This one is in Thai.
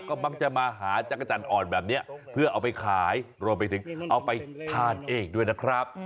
ก็มักจะมาหาจักรจันทร์อ่อนแบบนี้เพื่อเอาไปขายรวมไปถึงเอาไปทานเองด้วยนะครับ